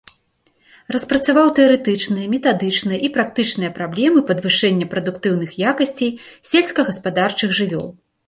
Распрацаваў тэарэтычныя, метадычныя і практычныя праблемы падвышэння прадуктыўных якасцей сельскагаспадарчых жывёл.